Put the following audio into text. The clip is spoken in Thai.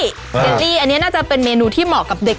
เลลี่อันนี้น่าจะเป็นเมนูที่เหมาะกับเด็ก